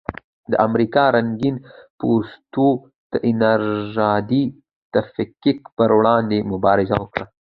د امریکا رنګین پوستو د نژادي تفکیک پر وړاندې مبارزه وکړه.